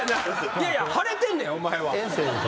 いやいや腫れてんねんお前は。